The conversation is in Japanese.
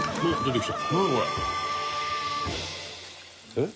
えっ？